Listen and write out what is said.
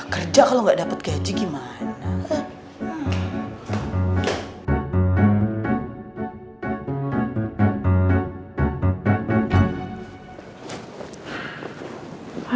kerja kalau gak dapet gaji gimana